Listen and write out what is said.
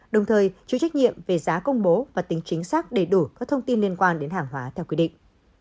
đồng thời chịu trách nhiệm về giá công bố và tính chính xác đầy đủ các thông tin liên quan đến hàng hóa theo quy định